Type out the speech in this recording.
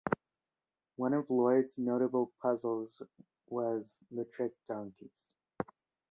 One of Loyd's notable puzzles was the "Trick Donkeys".